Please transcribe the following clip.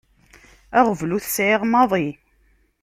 Aɣbel ur t-sεiɣ maḍi.